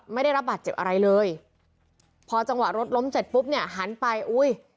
ไม่ได้รับบาดเจ็บอะไรเลยพอจังหวะรถล้มเสร็จปุ๊บเนี่ยหันไปอุ้ย